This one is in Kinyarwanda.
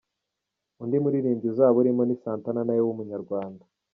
Undi muririmbyi uzaba urimo ni Santana na we w’Umunyarwanda.